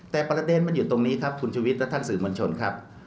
แต่ประเด็นมันอยู่ตรงนี้ครับคุณชุวิตและท่านสื่อมวลชนครับ